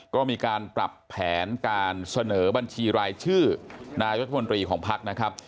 ก็มีการปรับแผนการเสนอบัญชีรายชื่อนายรัฐมนตรีของภักดิ์นะครับ